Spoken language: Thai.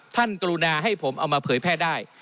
กรุณาให้ผมเอามาเผยแพร่ได้